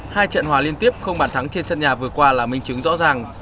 hai trận hòa liên tiếp không bàn thắng trên sân nhà vừa qua là minh chứng rõ ràng